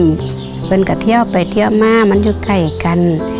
มันก็เที่ยวไปเที่ยวมามันอยู่ใกล้กัน